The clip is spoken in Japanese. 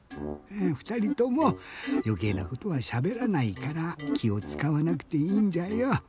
ふたりともよけいなことはしゃべらないからきをつかわなくていいんじゃよ。